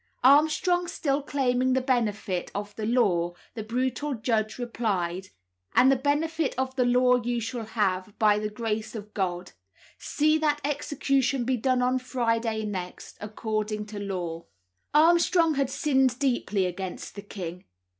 Armstrong still claiming the benefit of the law, the brutal judge replied: "And the benefit of the law you shall have, by the grace of God. See that execution be done on Friday next, according to law." Armstrong had sinned deeply against the king.